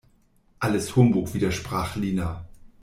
Alles Humbug, widersprach Lina.